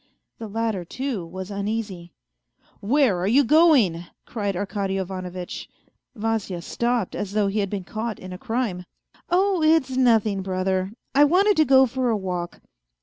The latter, too, was uneasy. " Where are you going 1 " cried Arkady Ivanovitch. Vasya stopped as though he had been caught in a crime. " Oh, it's nothing, brother, I wanted to go for a walk."